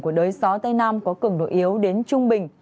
của đới gió tây nam có cường độ yếu đến trung bình